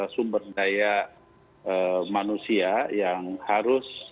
sumber daya manusia yang harus